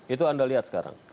itu anda lihat sekarang